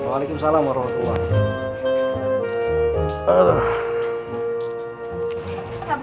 waalaikumsalam warahmatullahi wabarakatuh